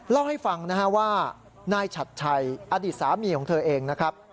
เล่าให้ฟังนะฮะว่านายฉัดชัยอดีตสามีของเธอเองนะครับ